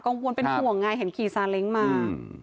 กังวลเป็นห่วงไงเห็นขี่ซาเล้งมา